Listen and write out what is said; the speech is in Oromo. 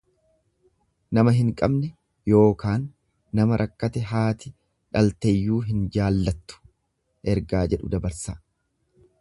Nama hin qabne yookaan nama rakkate haati dhalteyyuu hin jaallattu ergaa jedhu dabarsa.